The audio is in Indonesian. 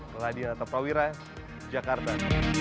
meladina tapawira jakarta